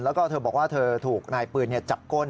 แล้วก็เธอบอกว่าเธอถูกนายปืนจับก้น